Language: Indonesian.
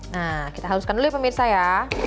nah kita haluskan dulu ya pemirsa ya